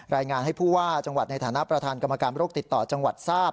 รายงานให้ผู้ว่าจังหวัดในฐานะประธานกรรมการโรคติดต่อจังหวัดทราบ